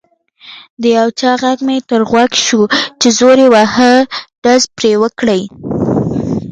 د یو چا غږ مې تر غوږ شو: که زور وهي ډز پرې وکړئ.